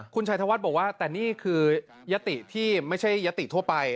คุณชัยธวัฒน์บอกว่าแต่นี่คือยติที่ไม่ใช่ยติทั่วไป